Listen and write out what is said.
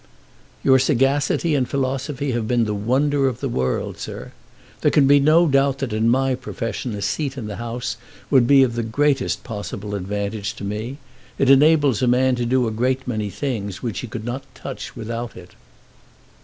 "Your sagacity and philosophy have been the wonder of the world, sir. There can be no doubt that in my profession a seat in the House would be of the greatest possible advantage to me. It enables a man to do a great many things which he could not touch without it."